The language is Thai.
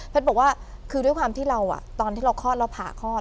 บอกว่าคือด้วยความที่เราตอนที่เราคลอดเราผ่าคลอด